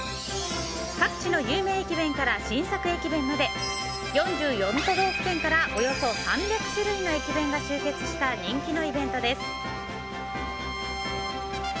各地の有名駅弁から新作駅弁まで４４都道府県からおよそ３００種類の駅弁が集結した人気のイベントです。